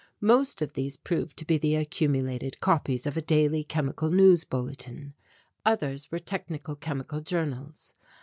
Most of these proved to be the accumulated copies of a daily chemical news bulletin. Others were technical chemical journals.